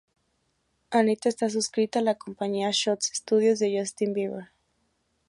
Anitta está suscrita a la compañía Shots Studios de Justin Bieber.